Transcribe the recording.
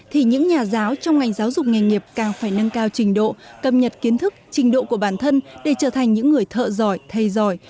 thì những nhà giáo trong ngành giáo dục nghề nghiệp càng phải nâng cao trình độ cập nhật kiến thức trình độ của bản thân để trở thành những người thợ giỏi thầy giỏi